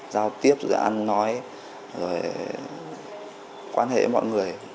giao tiếp giữa ăn nói rồi quan hệ với mọi người